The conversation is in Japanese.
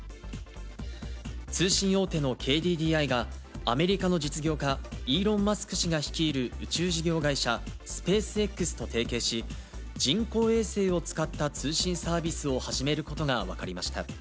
通信大手のＫＤＤＩが、アメリカの実業家、イーロン・マスク氏が率いる宇宙事業会社、スペースＸと提携し、人工衛星を使った通信サービスを始めることが分かりました。